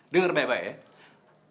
dengar baik baik ya